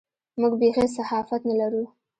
موږ بېخي صحافت نه لرو.